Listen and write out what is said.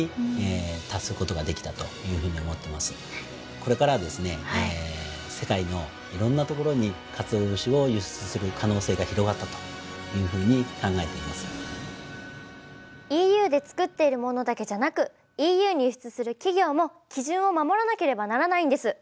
これからはですねＥＵで作っているものだけじゃなくＥＵに輸出する企業も基準を守らなければならないんです！